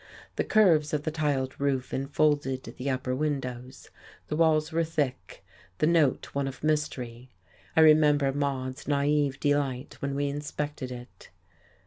The curves of the tiled roof enfolded the upper windows; the walls were thick, the note one of mystery. I remember Maude's naive delight when we inspected it.